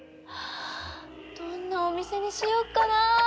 どんなお店にしよっかなぁ！